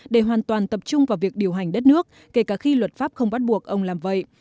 để hoàn toàn tập trung vào việc điều hành đất nước kể cả khi luật pháp không bắt buộc ông làm vậy